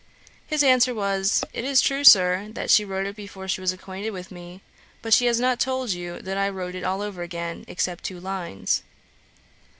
His answer was, 'It is true, Sir, that she wrote it before she was acquainted with me; but she has not told you that I wrote it all over again, except two lines.'